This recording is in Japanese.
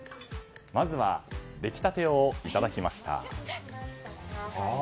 まずは出来立てをいただきました。